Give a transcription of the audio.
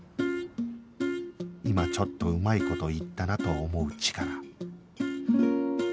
今ちょっとうまい事言ったなと思うチカラ